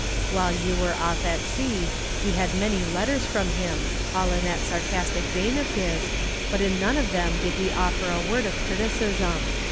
While you were off at sea, we had many letters from him, all in that sarcastic vein of his, but in none of them did he offer a word of criticism.